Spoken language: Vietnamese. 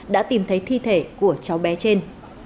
đã tìm thấy thi thể của cháu bé trên